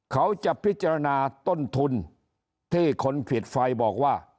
เขาจะพิจารณาต้นทุนที่คนผิดไฟบอกว่า